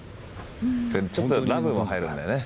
ちょっとラブも入るんだよね。